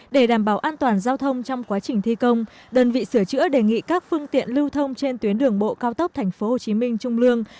để đảm bảo an toàn giao thông trong quá trình thi công đơn vị sửa chữa đề nghị các phương tiện lưu thông trên tuyến đường bộ cao tốc tp hcm trung lương